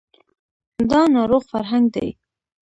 دا ناروغ فرهنګ دی